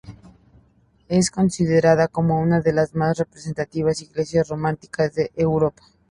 Es considerada como una de las más representativas iglesias románicas de Europa.